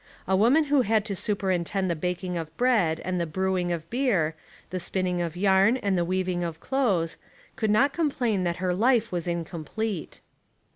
A woman who had to superintend the baking of bread and the brewing of beer, the spinning of yarn and the weaving of clothes, could not complain that her hfe was incom plete.